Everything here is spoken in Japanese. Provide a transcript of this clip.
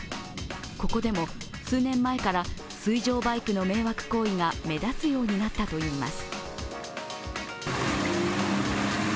ここでも数年前から水上バイクの迷惑行為が目立つようになったといいます。